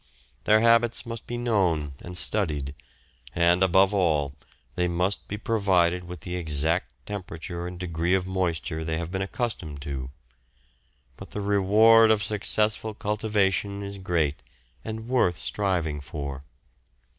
Their habits must be known and studied, and, above all, they must be provided with the exact temperature and degree of moisture they have been accustomed to. But the reward of successful cultivation is great and worth striving for.